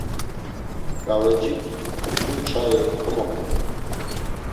K̆avecik jur çayi komomiğey.